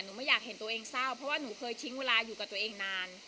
ไม่อยากเห็นตัวเองเศร้าเพราะว่าหนูเคยทิ้งเวลาอยู่กับตัวเองนาน